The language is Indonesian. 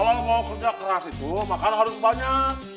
kalau mau kerja keras itu makanan harus banyak